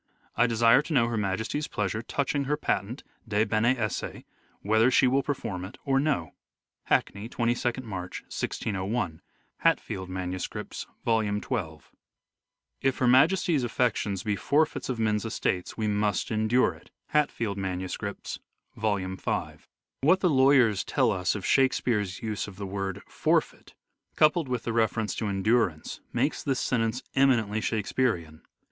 I desire to know Her Majesty's pleasure touching her patent (de bene esse) whether she will perform it or no." Hackney, 22nd March, 1601. (Hatfield MSS., Vol. XII.) " If Her Majesty's affections be forfeits of men's estates we must endure it." (Hatfield MSS., Vol. V.) What the lawyers tell us of Shakespeare's use of the word " forfeit," coupled with the reference to en durance, makes this sentence eminently Shakespearean.